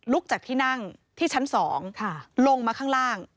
จากที่นั่งที่ชั้น๒ลงมาข้างล่าง